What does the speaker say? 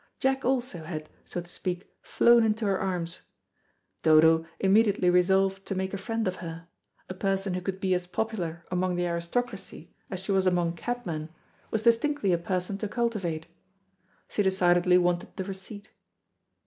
Jack also had, so to speak, flown into her arms. Dodo immediately resolved to make a friend of her; a person who could be as popular among the aristocracy as she was among cabmen was distinctly a person to cultivate. She decidedly wanted the receipt.